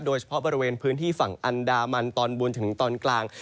โดยเฉพาะบริเวณพื้นที่ฝั่งอันดามันตอนบนถึงตอนกลาง